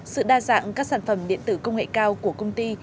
sự đa dạng các sản phẩm điện tử công nghệ cao của công ty